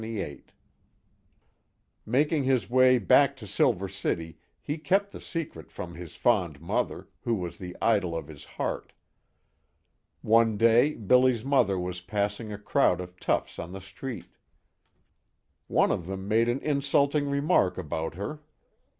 Making his way back to Silver City he kept the secret from his fond mother, who was the idol of his heart. One day Billy's mother was passing a crowd of toughs on the street. One of them made an insulting remark about her.